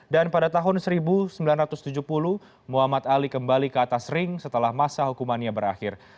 dan pada tahun seribu sembilan ratus tujuh puluh muhammad ali kembali ke atas ring setelah masa hukumannya berakhir